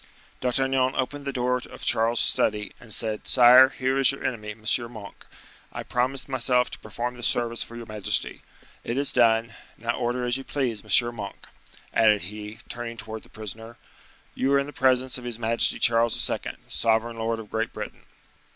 D'Artagnan opened the door of Charles's study, and said, "Sire, here is your enemy, M. Monk; I promised myself to perform this service for your majesty. It is done; now order as you please. M. Monk," added he, turning towards the prisoner, "you are in the presence of his majesty Charles II., sovereign lord of Great Britain."